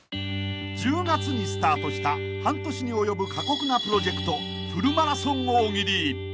［１０月にスタートした半年に及ぶ過酷なプロジェクトフルマラソン大喜利］